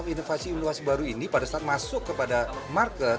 inovasi inovasi baru ini pada saat masuk kepada market